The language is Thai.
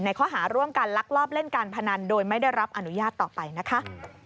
ข้อหาร่วมกันลักลอบเล่นการพนันโดยไม่ได้รับอนุญาตต่อไปนะคะ